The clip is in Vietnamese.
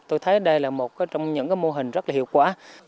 tôi thấy đây là một trong những mô hình rất là hiệu quả